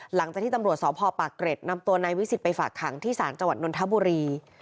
หลังจากที่ตำรวจสพปากเกร็ดนำตัวนายวิสิทธิไปฝากขังที่ศาลจังหวัดนทบุรี